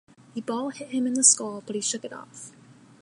The ball hit him in the skull, but he shook it off.